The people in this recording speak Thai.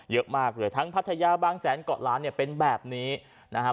เยอะมากเลยทั้งพัทยาบางแสนเกาะล้านเนี่ยเป็นแบบนี้นะฮะ